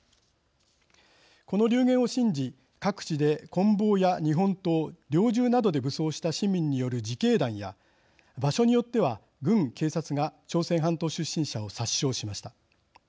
この流言を信じ各地で、こん棒や日本刀猟銃などで武装した市民による自警団や場所によっては軍、警察が朝鮮半島出身者を殺傷しました。